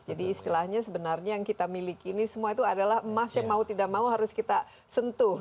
jadi istilahnya sebenarnya yang kita miliki ini semua itu adalah emas yang mau tidak mau harus kita sentuh